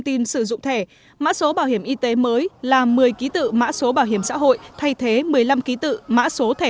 tin sử dụng thẻ mã số bảo hiểm y tế mới là một mươi ký tự mã số bảo hiểm xã hội thay thế một mươi năm ký tự mã số thẻ